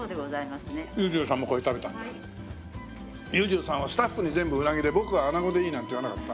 裕次郎さんはスタッフに全部うなぎで僕はあなごでいいなんて言わなかった？